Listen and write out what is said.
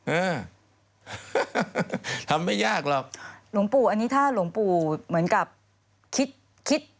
เออทำไม่ยากหรอกหลวงปู่อันนี้ถ้าหลวงปู่เหมือนกับคิดคิด